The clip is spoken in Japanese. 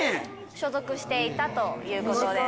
所属していたということです